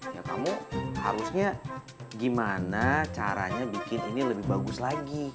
ya kamu harusnya gimana caranya bikin ini lebih bagus lagi